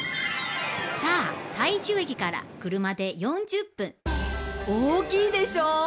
さあ台中駅から車で４０分大きいでしょ！